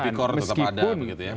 tipik korps tetap ada begitu ya